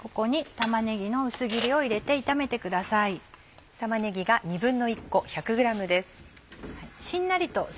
玉ねぎが１／２個１００ｇです。